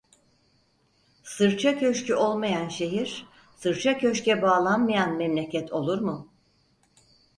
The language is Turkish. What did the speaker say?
Sırça köşkü olmayan şehir, sırça köşke bağlanmayan memleket olur mu?